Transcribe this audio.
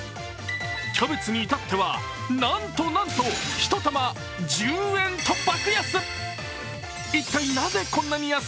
キャベツに至っては、なんとなんと１玉１０円と爆安！